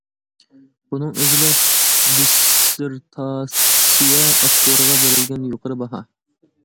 بۇنىڭ ئۆزىلا دىسسېرتاتسىيە ئاپتورىغا بېرىلگەن يۇقىرى باھا.